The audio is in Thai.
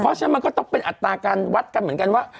เพราะฉะนั้นมันก็ต้องเป็นอัตราการวัดกันเหมือนกันว่า